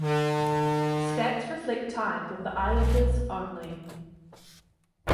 Stats reflect time with the Islanders only.